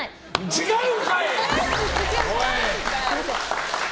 違うんかい！